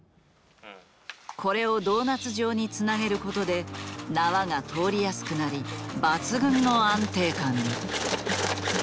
これをドーナツ状につなげることで縄が通りやすくなり抜群の安定感に。